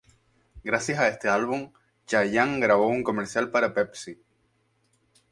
Gracias a este álbum, Chayanne grabó un comercial para Pepsi.